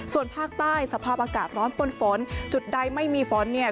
ส่วนภาคใต้สภาพอากาศร้อนปนฝนจุดใดไม่มีฝนเนี่ย